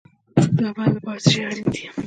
د عمل لپاره څه شی اړین دی؟